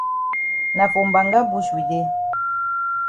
Na for mbanga bush we dey.